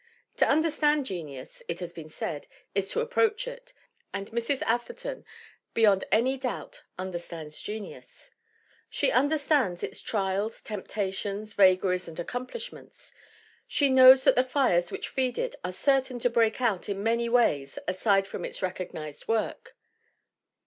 "To understand genius, it has been said, is to ap proach it, and Mrs. Atherton beyond any doubt under GERTRUDE ATHERTON 43 stands genius. She understands its trials, temptations, vagaries and accomplishments. She knows that the fires which feed it are certain to break out in many ways aside from its recognized work.